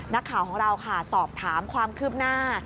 นักข่าวของเราค่ะสอบถามความคืบหน้า